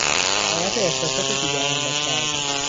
رعایت احساسات دیگران را کردن